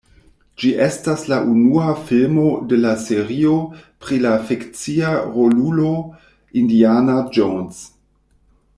Ĝi estas la unua filmo de la serio pri la fikcia rolulo Indiana Jones.